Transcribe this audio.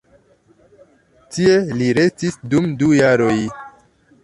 Tie li restis dum du jaroj.